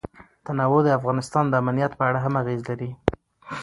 تنوع د افغانستان د امنیت په اړه هم اغېز لري.